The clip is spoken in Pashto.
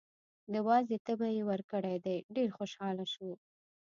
د وازدې تبی یې ورکړی دی، ډېر خوشحاله شو.